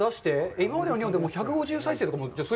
今までの２本で１５０再生とか？